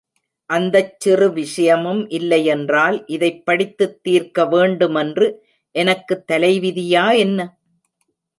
அந்தச் சிறு விஷயமும் இல்லையென்றால், இதைப் படித்துத் தீர்க்க வேண்டுமென்று எனக்குத் தலைவிதியா, என்ன?